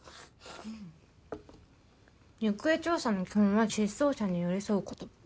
行方調査の基本は失踪者に寄り添うこと。